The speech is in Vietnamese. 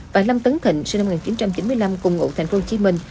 và lâm tấn thịnh sinh năm một nghìn chín trăm chín mươi năm cùng ngụ thành phố hồ chí minh